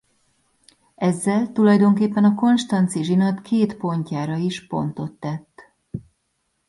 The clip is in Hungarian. Ezzel tulajdonképpen a konstanzi zsinat két pontjára is pontot tett.